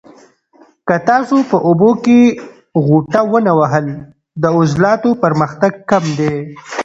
که تاسو په اوبو کې غوټه ونه وهل، د عضلاتو پرمختګ کم دی.